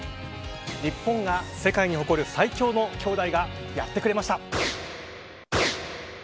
日本が世界に誇る最強のきょうだいがやってくれました。